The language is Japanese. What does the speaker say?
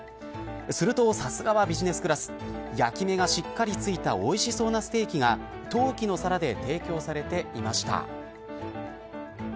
すると、さすがはビジネスクラス焼き目がしっかりついたおいしそうなステーキが陶器の皿で提供されていました。